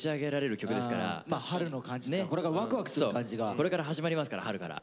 これから始まりますから春から。